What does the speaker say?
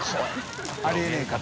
ありえねぇから」